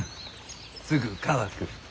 すぐ乾く。